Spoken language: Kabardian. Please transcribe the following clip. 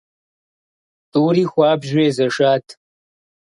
ТӀури хуабжьу езэшат.